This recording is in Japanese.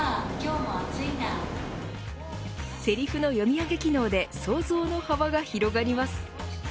セリフの読み上げ機能で想像の幅が広がります。